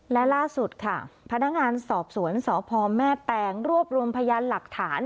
และล่าสุดค่ะพนักงานสอบสวนสพแม่แตงรวบรวมพยานหลักฐาน